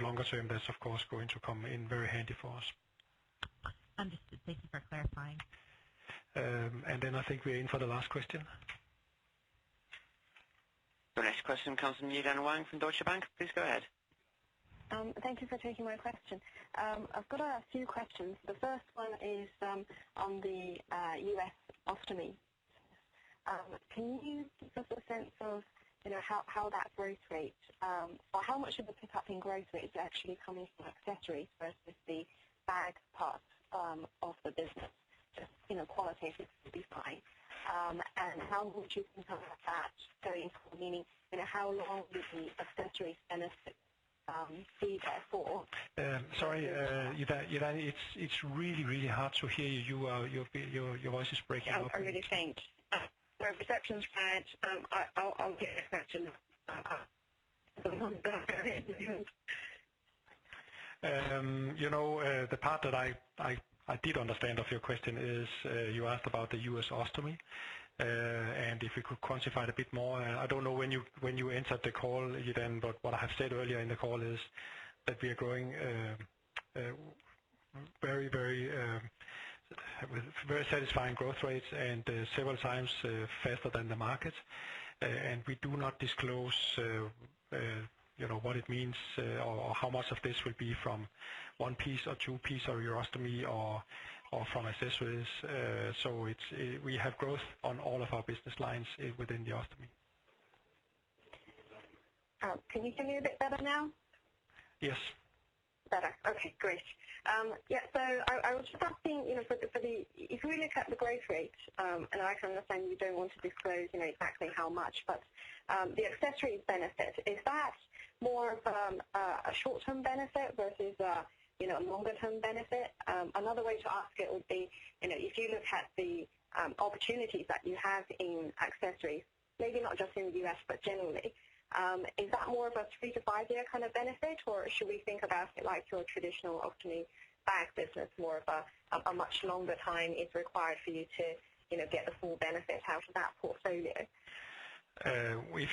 Longer term, that's of course going to come in very handy for us. Understood. Thank you for clarifying. I think we are in for the last question. The next question comes from Yi-Dan Wang from Deutsche Bank. Please go ahead. Thank you for taking my question. I've got a few questions. The first one is on the U.S. Ostomy. Can you give us a sense of how that growth rate or how much of the pickup in growth rates actually coming from accessories versus the bag part of the business? Just qualitatively would be fine. How would you compare that going forward, meaning, how long would the accessories benefit be there for? Sorry, Yi-Dan. It's really hard to hear you. Your voice is breaking up a bit. Oh, really? Thank you. My reception's bad. I'll get the question out. The part that I did understand of your question is you asked about the U.S. Ostomy. If we could quantify it a bit more, I don't know when you entered the call, Yi-Dan, but what I have said earlier in the call is that we are growing very satisfying growth rates and several times faster than the market. We do not disclose what it means or how much of this will be from one-piece or two-piece or urostomy or from accessories. We have growth on all of our business lines within the Ostomy. Can you hear me a bit better now? Yes. Better. Okay, great. I was just asking, if you look at the growth rate, and I can understand you don't want to disclose exactly how much, but the accessories benefit, is that more of a short-term benefit versus a longer-term benefit? Another way to ask it would be, if you look at the opportunities that you have in accessories, maybe not just in the U.S., but generally, is that more of a three to five-year kind of benefit, or should we think about it like your traditional Ostomy bag business, more of a much longer time is required for you to get the full benefit out of that portfolio? With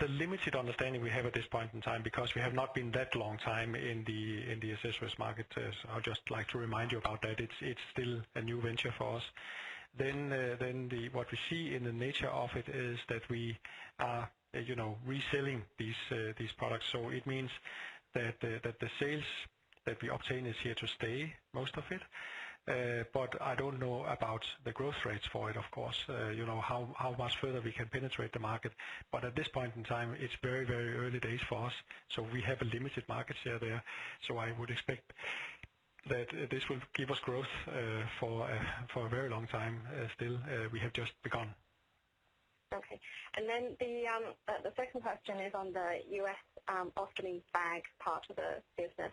the limited understanding we have at this point in time, because we have not been that long time in the accessories market. I'd just like to remind you about that. It's still a new venture for us. What we see in the nature of it is that we are reselling these products. It means that the sales that we obtain is here to stay, most of it. I don't know about the growth rates for it, of course, how much further we can penetrate the market. At this point in time, it's very early days for us. We have a limited market share there. I would expect that this will give us growth for a very long time still. We have just begun. Okay. The second question is on the U.S. Ostomy bag part of the business.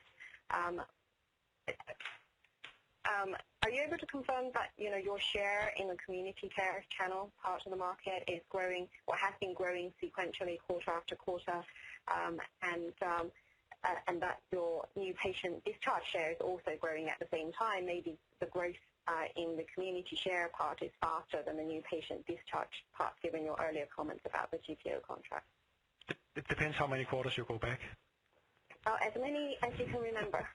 Are you able to confirm that your share in the community care channel part of the market is growing or has been growing sequentially quarter after quarter, and that your new patient discharge share is also growing at the same time? Maybe the growth in the community share part is faster than the new patient discharge part, given your earlier comments about the GPO contract. It depends how many quarters you go back. As many as you can remember.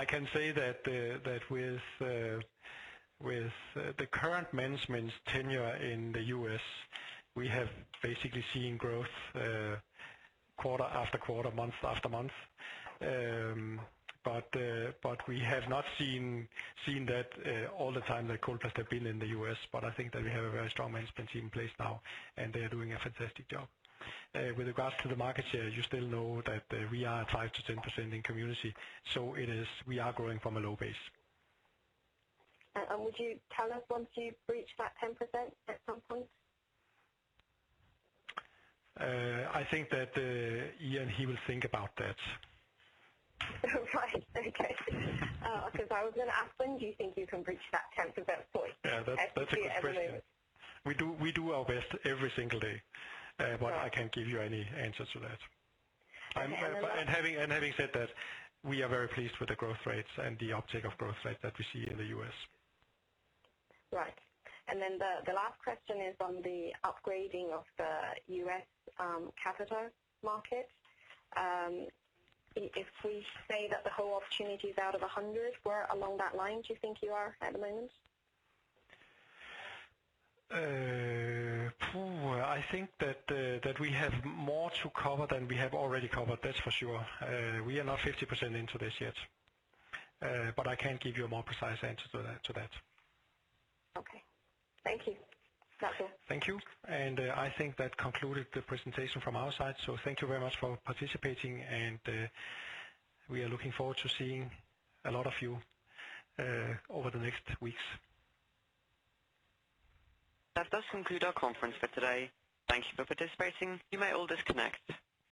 I can say that with the current management's tenure in the U.S., we have basically seen growth quarter after quarter, month after month. We have not seen that all the time that Coloplast has been in the U.S., but I think that we have a very strong management team in place now, and they are doing a fantastic job. With regards to the market share, you still know that we are at 5%-10% in community. We are growing from a low base. Would you tell us once you've reached that 10% at some point? I think that Ian, he will think about that. All right. Okay. I was going to ask when do you think you can reach that 10% point? Yeah, that's a good question. We do our best every single day. I can't give you any answers to that. Having said that, we are very pleased with the growth rates and the uptake of growth rate that we see in the U.S. Right. The last question is on the upgrading of the U.S. capital market. If we say that the whole opportunity is out of 100, where along that line do you think you are at the moment? I think that we have more to cover than we have already covered, that's for sure. We are not 50% into this yet. I can't give you a more precise answer to that. Okay. Thank you. That's it. Thank you. I think that concluded the presentation from our side. Thank you very much for participating, and we are looking forward to seeing a lot of you over the next weeks. That does conclude our conference for today. Thank you for participating. You may all disconnect.